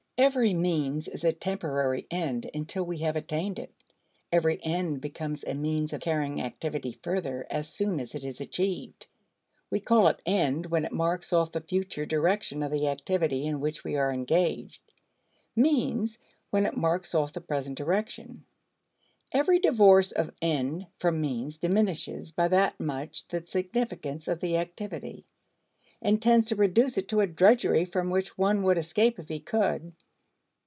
Every means is a temporary end until we have attained it. Every end becomes a means of carrying activity further as soon as it is achieved. We call it end when it marks off the future direction of the activity in which we are engaged; means when it marks off the present direction. Every divorce of end from means diminishes by that much the significance of the activity and tends to reduce it to a drudgery from which one would escape if he could.